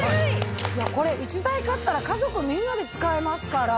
これ１台買ったら家族みんなで使えますから。